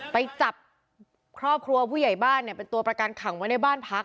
ไปจับครอบครัวผู้ใหญ่บ้านเป็นตัวประกันขังไว้ในบ้านพัก